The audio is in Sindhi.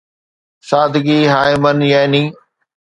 سادگي هاءِ مَن، يعني